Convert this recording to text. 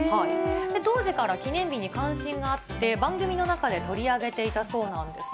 当時から記念日に関心があって、番組の中で取り上げていたそうなんです。